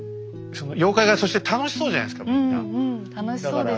妖怪がそして楽しそうじゃないですかみんな。